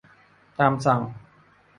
ตามสั่ง